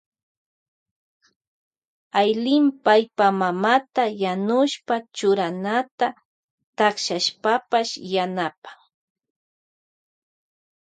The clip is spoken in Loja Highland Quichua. Aylin yanapan paypa mamata yanushpa churanata takshashpapash.